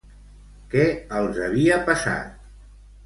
Què els havia passat?